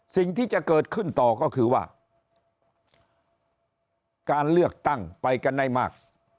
สิ่งที่จะเกิดขึ้นต่อก็คือว่าการเลือกตั้งไปกันได้มาก